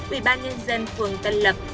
ủy ban nhân dân phương tân lập